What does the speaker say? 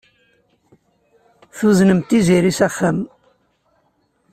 Tuznemt Tiziri s axxam.